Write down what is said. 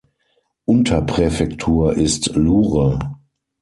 Unterpräfektur ist Lure.